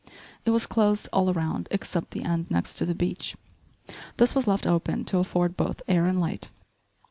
It was closed all around except the end next to the beach. This was left open to afford both air and light.